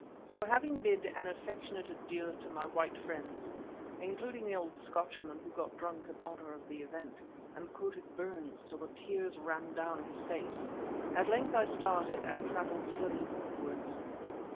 So having bid an affectionate adieu to my white friends, including the old Scotchman who got drunk in honour of the event, and quoted Burns till the tears ran down his face, at length I started, and travelled slowly northwards.